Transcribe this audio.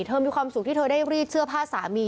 มีความสุขที่เธอได้รีดเสื้อผ้าสามี